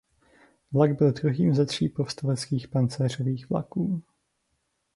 Vlak byl druhým ze tří povstaleckých pancéřových vlaků.